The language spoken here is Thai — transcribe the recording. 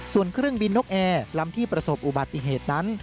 ส่วนเครื่องบินนกแอร์ลำที่ประสบอุบัติเหตุนั้น